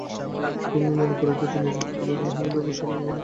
তুমি মনে করিতেছ নিজের পিতৃব্যকে হনন করা সকল সময়েই পাপ।